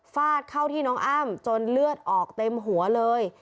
ฟาดเข้าที่น้องอ้ำจนเลือดออกเต็มหัวเลย